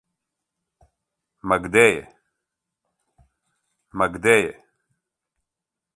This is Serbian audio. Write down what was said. Ма где је?